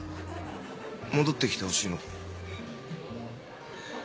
戻って来てほしいの？